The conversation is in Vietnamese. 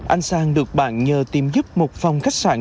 anh sang được bạn nhờ tìm giúp một phòng khách sạn